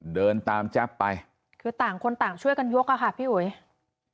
เดินตามแจ๊บไปคือต่างคนต่างช่วยกันยกอะค่ะพี่อุ๋ย